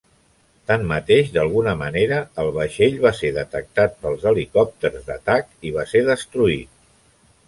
Tanmateix, d'alguna manera el vaixell va ser detectat pels helicòpters d'atac i va ser destruït.